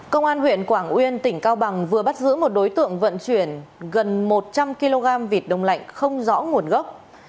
công an huyện quảng uyên tỉnh cao bằng vừa bắt giữ một đối tượng vận chuyển gần một trăm linh kg vịt đông lạnh không rõ nguồn gốc